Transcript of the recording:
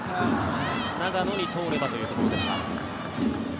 長野に通ればというところでした。